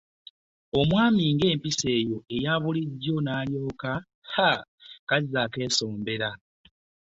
Omwami ng’empisa ye eya bulijjo n’alyako, ha... kazzi akeesombera.